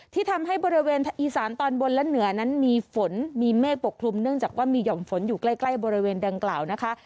ที่ทำให้บริเวณอีสานตอนบนและเหนือนั้นมีฝนมีเมฆปกคลุมเนื่องจากว่ามีห่อมฝนอยู่ใกล้บริเวณดังกล่าวนะคะ